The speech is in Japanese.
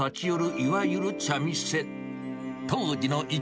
いわゆる茶店。